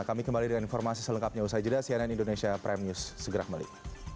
kami kembali dengan informasi selengkapnya usai jeda cnn indonesia prime news segera kembali